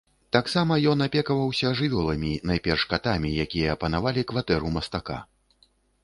Таксама ён апекаваўся жывёламі, найперш катамі, якія апанавалі кватэру мастака.